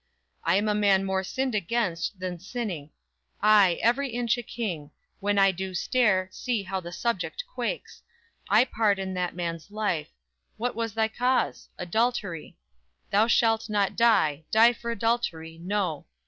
I am a man more sinned against Than sinning,..._ _Ay, every inch a King! When I do stare, see, how the subject quakes! I pardon that man's life; what was thy cause? Adultery; Thou shalt not die; die for adultery! No!